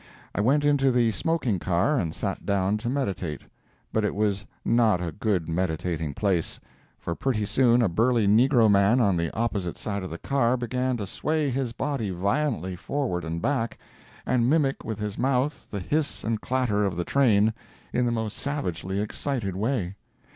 I went into the smoking car and sat down to meditate; but it was not a good meditating place, for pretty soon a burly negro man on the opposite side of the car began to sway his body violently forward and back, and mimic with his mouth the hiss and clatter of the train, in the most savagely excited way.